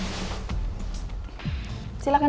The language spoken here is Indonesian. dengan ibu saya bu